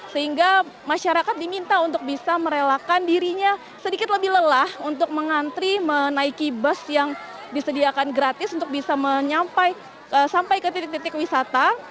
sehingga masyarakat diminta untuk bisa merelakan dirinya sedikit lebih lelah untuk mengantri menaiki bus yang disediakan gratis untuk bisa sampai ke titik titik wisata